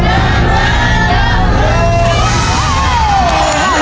๕พันบาท๒ตู้